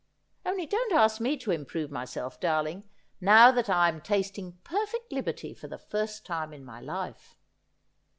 ' Only don't ask me to improve myself, darling, now that I am tasting perfect liberty for the first time in my life.